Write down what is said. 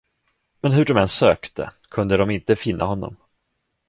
Men hur de än sökte, kunde de inte finna honom.